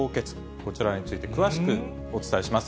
こちらについて、詳しくお伝えします。